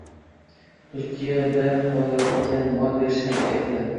Turkiyada qoladigan mol berishini aytadi.